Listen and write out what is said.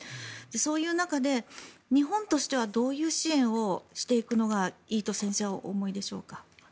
そういう中で、日本としてはどういう支援をしていくのがいいと先生はお思いでしょうか。